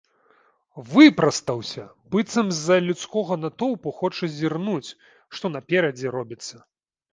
Выпрастаўся, быццам з-за людскога натоўпу хоча зірнуць, што наперадзе робіцца.